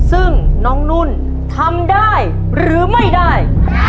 ซึ่งน้องนุ่นทำได้หรือไม่ได้